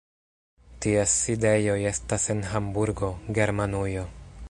Ties sidejoj estas en Hamburgo, Germanujo.